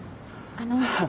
あの